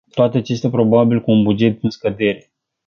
Toate acestea, probabil, cu un buget în scădere.